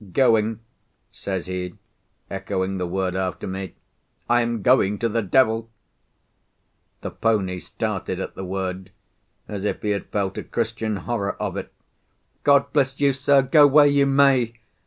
"Going?" says he, echoing the word after me. "I am going to the devil!" The pony started at the word, as if he had felt a Christian horror of it. "God bless you, sir, go where you may!"